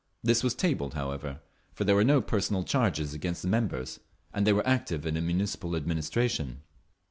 This was tabled, however, for there were no personal charges against the members, and they were active in the Municipal administration.